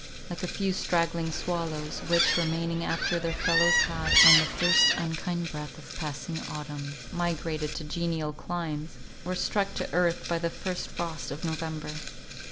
Like a few straggling swallows, which, remaining after their fellows had, on the first unkind breath of passing autumn, migrated to genial climes, were struck to earth by the first frost of November.